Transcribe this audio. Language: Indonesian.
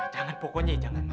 jangan pokoknya ya jangan